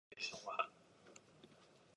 He lives in Woodmere, New York.